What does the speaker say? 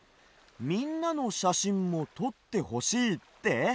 みんなのしゃしんもとってほしいって？